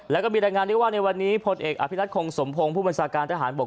แล้วก็มีรายงานด้วยว่าในวันนี้พลเอกอภิรัตคงสมพงศ์ผู้บัญชาการทหารบก